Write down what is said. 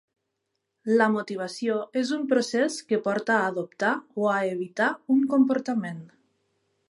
La motivació és un procés que porta a adoptar o a evitar un comportament.